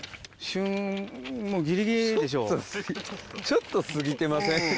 ちょっと過ぎてません？